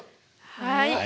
はい！